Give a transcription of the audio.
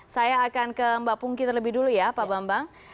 saya akan ke mbak pungki terlebih dulu ya pak bambang